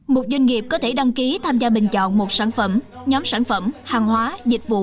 một doanh nghiệp có thể đăng ký tham gia bình chọn một sản phẩm nhóm sản phẩm hàng hóa dịch vụ